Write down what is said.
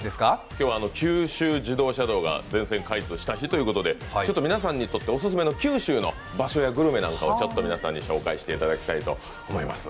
今日は九州自動車道が全線開通した日ということで皆さんにとってオススメの九州の場所やグルメなんかをご紹介していただきたいと思います。